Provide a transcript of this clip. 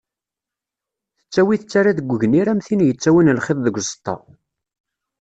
Tettawi tettara deg ugnir am tin yettawin lxiḍ deg uẓeṭṭa.